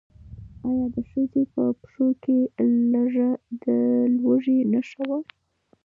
ایا د ښځې په پښو کې لړزه د لوږې نښه وه؟